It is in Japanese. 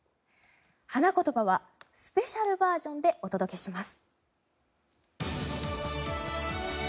花言葉はスペシャルバージョンでお届けします。